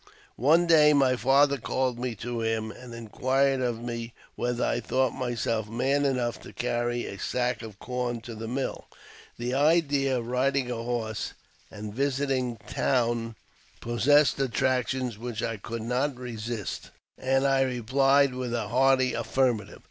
One day my father called me to him, and inquired of me whether I thought myself man enough to carry a sack of corn to the mill. The idea of riding a horse, and visiting town, possessed attractions which I could not resist, and I replied with a hearty affirmative.